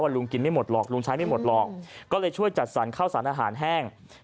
ลุงกินไม่หมดหรอกลุงใช้ไม่หมดหรอกก็เลยช่วยจัดสรรข้าวสารอาหารแห้ง